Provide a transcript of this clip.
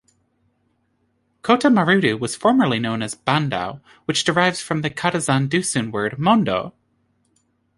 Kota Marudu was formerly known as 'Bandau', which derives from the Kadazan-Dusun word 'Mondou'.